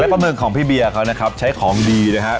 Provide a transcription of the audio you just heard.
ประเมินของพี่เบียร์เขานะครับใช้ของดีนะครับ